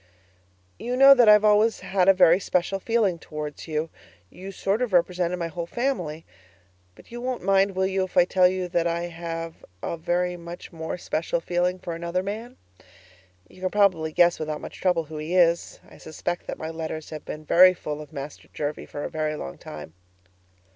You know that I've always had a very special feeling towards you; you sort of represented my whole family; but you won't mind, will you, if I tell you that I have a very much more special feeling for another man? You can probably guess without much trouble who he is. I suspect that my letters have been very full of Master Jervie for a very long time.